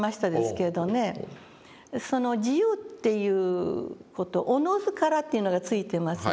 その自由っていう事「自ずから」というのが付いてますね。